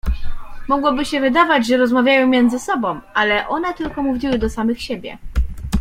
Mogłoby się wydawać, że rozmawiają między sobą, ale one tylko mówiły do samych siebie.